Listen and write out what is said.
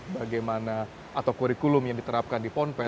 bagaimana kurikulum yang diterapkan di ponpes